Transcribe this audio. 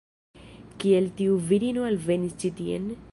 Kiel tiu virino alvenis ĉi-tien?